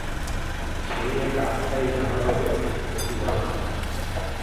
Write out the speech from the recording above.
সেই এক আত্মাই নানারূপে প্রতিভাত হয়।